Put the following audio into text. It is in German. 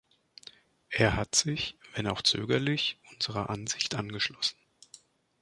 Er hat sich, wenn auch zögerlich, unserer Ansicht angeschlossen.